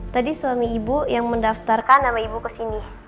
tadi suami ibu yang mendaftarkan nama ibu kesini